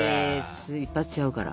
一発ちゃうから。